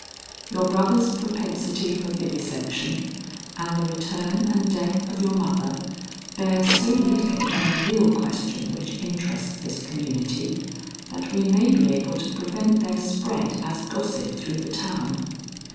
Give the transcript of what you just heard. Your brother's propensity for vivisection and the return and death of your mother bear so little on the real question which interests this community that we may be able to prevent their spread as gossip through the town.